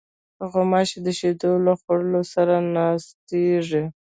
غوماشې د شیدو او خوړو سره ناستېږي.